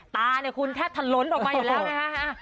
ตาเนี่ยคุณแทบทะล้นออกมาอยู่แล้วนะฮะ